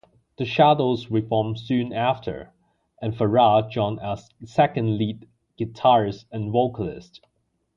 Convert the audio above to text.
The Shadows reformed soon after and Farrar joined as second lead guitarist and vocalist.